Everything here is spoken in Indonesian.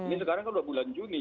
ini sekarang sudah bulan juni